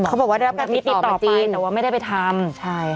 เขาบอกว่าได้รับการติดต่อไปแต่ว่าไม่ได้ไปทำใช่